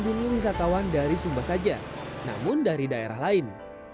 dikunjung wisatawan dari sumba saja namun dari daerah lain